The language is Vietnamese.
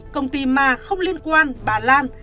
công ty ma không liên quan bà lan